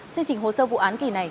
chương trình hồ sơ vụ án kỳ này